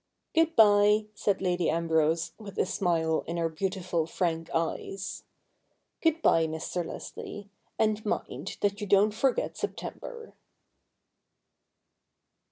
' Good bye,' said Lady Ambrose, with a smile in her beautiful frank eyes. ' Good bye, Mr. Leslie, and mind that you don't forget September.'